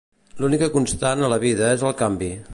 L'única constant a la vida és el canvi